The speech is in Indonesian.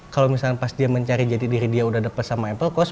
kalau misalnya pas dia mencari jadi diri dia udah dapet sama apple cost